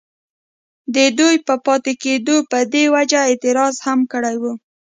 ددوي پۀ پاتې کيدو پۀ دې وجه اعتراض هم کړی وو،